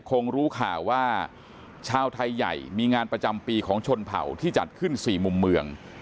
คงรู้ข่าวว่าชาวไทยใหญ่มีงานประจำปีของชนเผ่าที่จัดขึ้น๔มุมเมือง